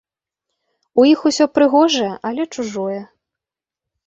У іх усё прыгожае, але чужое.